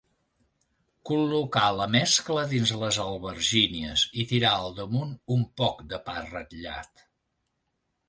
Col·locar la mescla dins les albergínies i tirar al damunt un poc de pa ratllat.